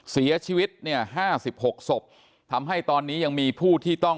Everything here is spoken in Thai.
เสียชีวิตเนี่ยห้าสิบหกศพทำให้ตอนนี้ยังมีผู้ที่ต้อง